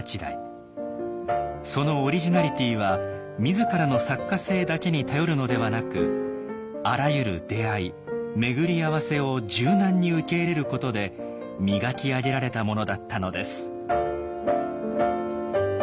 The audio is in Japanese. そのオリジナリティーは自らの作家性だけに頼るのではなくあらゆる出会い巡り合わせを柔軟に受け入れることで磨き上げられたものだったのです。